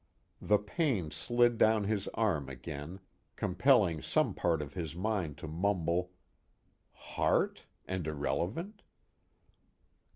The pain slid down his arm again, compelling some part of his mind to mumble: _Heart? and irrelevant?